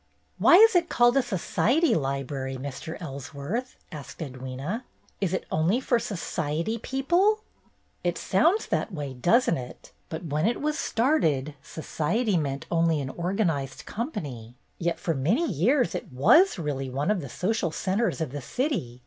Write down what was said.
"Why is it called a Society Library, Mr. Ellsworth?" asked Edwyna. "Is it only for society people ?"" It sounds that way, does n't it ? But when it was started, ' Society' meant only an organized company. Yet for many years it was really one of the social centres of the city.